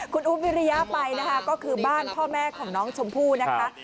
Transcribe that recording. คุณอุ๊บวิริยะไปนะคะก็คือบ้านพ่อแม่ของน้องชมพู่นะคะ